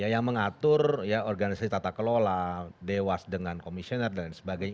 yang mengatur organisasi tata kelola dewas dengan komisioner dan sebagainya